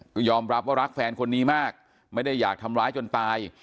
ก็ยอมรับว่ารักแฟนคนนี้มากไม่ได้อยากทำร้ายจนตาย